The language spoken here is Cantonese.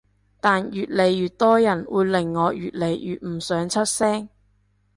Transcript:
但越嚟越多人會令我越嚟越唔想出聲